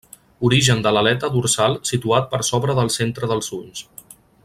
Origen de l'aleta dorsal situat per sobre del centre dels ulls.